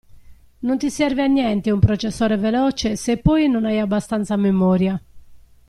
Non ti serve a niente un processore veloce se poi non hai abbastanza memoria.